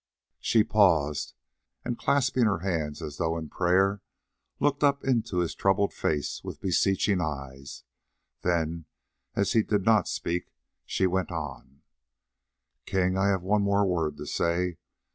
She paused, and, clasping her hands as though in prayer, looked up into his troubled face with beseeching eyes; then, as he did not speak, she went on: "King, I have one more word to say.